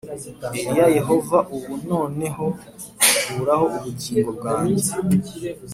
Eliya yehova ubu noneho kuraho ubugingo bwanjye